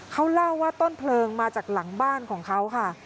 เขาเล่าว่าต้นเพลิงมาจากหลังบ้านของเขาค่ะ